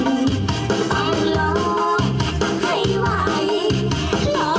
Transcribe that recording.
แม่งแม่งทำชับช้า